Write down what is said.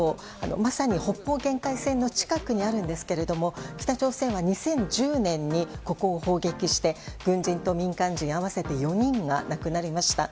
まさに北方限界線の近くにあるんですが北朝鮮は２０１０年にここを砲撃して軍人と民間人合わせて４人が亡くなりました。